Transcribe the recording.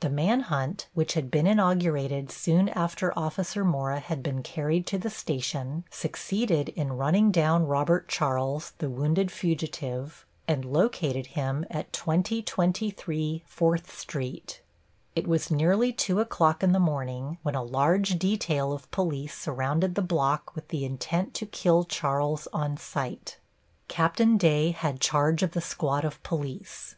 The man hunt, which had been inaugurated soon after Officer Mora had been carried to the station, succeeded in running down Robert Charles, the wounded fugitive, and located him at 2023 4th Street. It was nearly 2 o'clock in the morning when a large detail of police surrounded the block with the intent to kill Charles on sight. Capt. Day had charge of the squad of police.